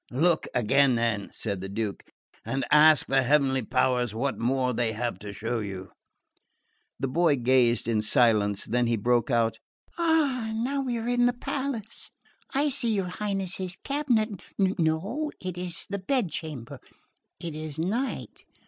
"Look again, then," said the Duke, "and ask the heavenly powers what more they have to show you." The boy gazed in silence; then he broke out: "Ah, now we are in the palace...I see your Highness's cabinet...no, it is the bedchamber...it is night...